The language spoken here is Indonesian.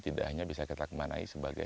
tidak hanya bisa kita kemanai sebagai